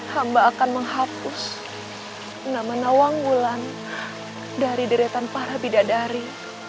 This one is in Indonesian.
hamba akan menghapus nama nawanggulan dari deretan para bidadari